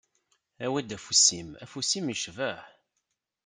Awi-d afus-im, afus-im yecbeḥ.